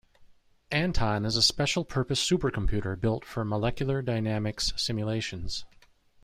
Anton is a special-purpose supercomputer built for molecular dynamics simulations.